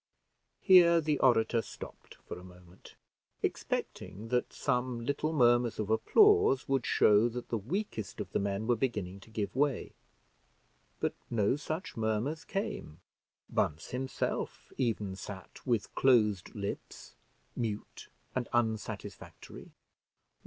Here the orator stopped for a moment, expecting that some little murmurs of applause would show that the weakest of the men were beginning to give way; but no such murmurs came. Bunce, himself, even sat with closed lips, mute and unsatisfactory.